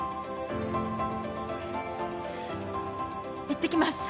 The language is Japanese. いってきます。